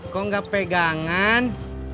kok gak pegangan